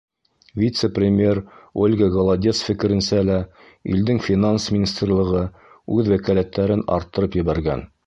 Вице-премьер Ольга Голодец фекеренсә лә, илдең Финанс министрлығы үҙ вәкәләттәрен арттырып ебәргән.